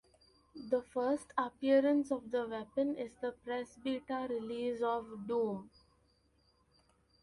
The first appearance of the weapon is the press beta release of "Doom".